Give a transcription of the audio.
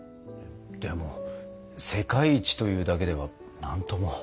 でも「世界一」というだけでは何とも。